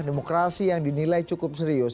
demokrasi yang dinilai cukup serius